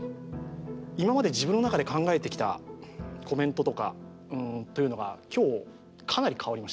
今まで自分の中で考えてきたコメントとかというのが今日かなり変わりました。